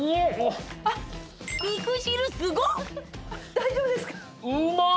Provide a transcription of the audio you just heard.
大丈夫ですか？